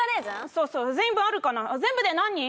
そうそう全員分あるかな全部で何人？